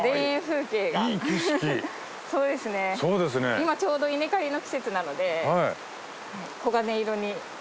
今ちょうど稲刈りの季節なので黄金色に。